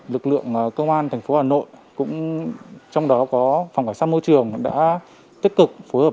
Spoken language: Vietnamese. lực lượng công an thành phố hà nội cũng trong đó có phòng cảnh sát môi trường đã tích cực phối hợp